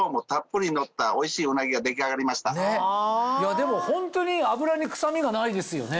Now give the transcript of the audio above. でもホントに脂に臭みがないですよね。